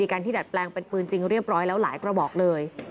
การที่ดัดแปลงเป็นปืนจริงเรียบร้อยแล้วหลายกระบอกเลย